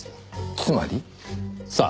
つまり？さあ？